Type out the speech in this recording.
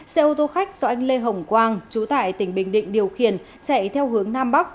xe ô tô khách do anh lê hồng quang chú tại tỉnh bình định điều khiển chạy theo hướng nam bắc